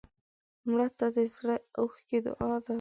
مړه ته د زړه اوښکې دعا ده